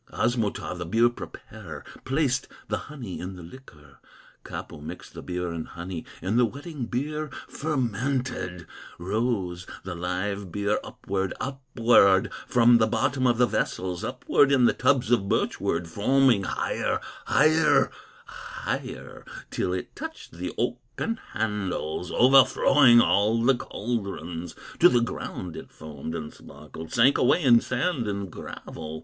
"Osmotar, the beer preparer, Placed the honey in the liquor; Kapo mixed the beer and honey, And the wedding beer fermented; Rose the live beer upward, upward, From the bottom of the vessels, Upward in the tubs of birch wood, Foaming higher, higher, higher, Till it touched the oaken handles, Overflowing all the caldrons; To the ground it foamed and sparkled, Sank away in sand and gravel.